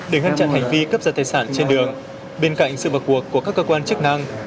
để ngăn chặn hành vi cấp giật tài sản trên đường bên cạnh sự vào cuộc của các cơ quan chức năng